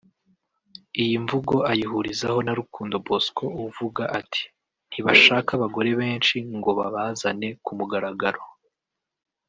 Iyi mvugo ayihurizaho na Rukundo Bosco uvuga ati “Ntibashaka abagore benshi ngo babazane ku mugaragaro